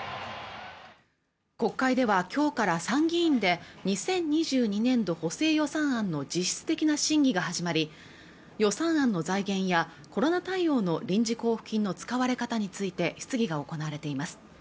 国会ではきょうから参議院で２０２２年度補正予算案の実質的な審議が始まり予算案の財源やコロナ対応の臨時交付金の使われ方について質疑が行われています